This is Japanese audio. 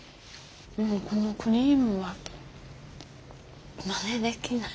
このクリームがまねできない。